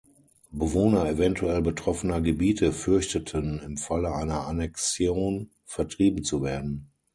Bewohner eventuell betroffener Gebiete fürchteten, im Falle einer Annexion vertrieben zu werden.